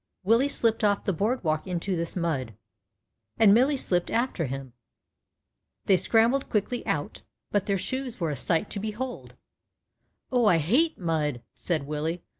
Willie slipped off the board walk into this mud, and Millie slipped after him. They scrambled quickly out, but their shoes were a sight to behold. '' Oh ! I hate mud,'' said Willie.